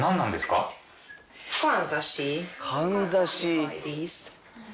かんざし。